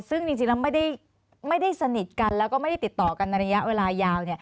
ซึ่งจริงแล้วไม่ได้สนิทกันแล้วก็ไม่ได้ติดต่อกันในระยะเวลายาว